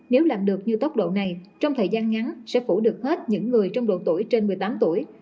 nếu làm được như tốc độ này trong thời gian ngắn sẽ phủ được hết những người trong độ tuổi trên một mươi tám tuổi